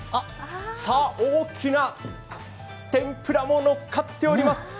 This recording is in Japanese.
さあ、大きな天ぷらものっかっております。